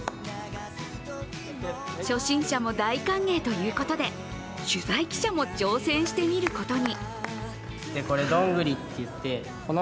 初心者も大歓迎ということで取材記者も挑戦してみることに。